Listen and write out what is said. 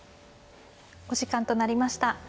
お時間となりました。